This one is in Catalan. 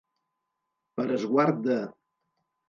Per esguard de.